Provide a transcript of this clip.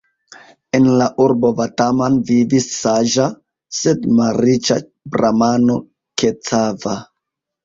En la urbo Vataman vivis saĝa, sed malriĉa bramano Kecava.